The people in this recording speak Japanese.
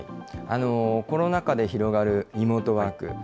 コロナ禍で広がるリモートワーク。